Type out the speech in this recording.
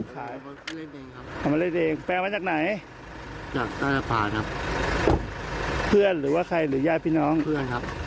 ครับถ้าเจอหลายตัวผมก็เลยขับหนีครับ